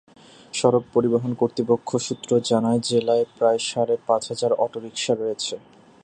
সড়ক পরিবহন কর্তৃপক্ষ সূত্র জানায়, জেলায় প্রায় সাড়ে পাঁচ হাজার অটোরিকশা রয়েছে।